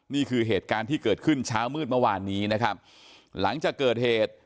นี่คือเหตุการณ์ที่เกิดขึ้นเช้ามืดเมื่อวานนี้นะครับหลังจากเกิดเหตุ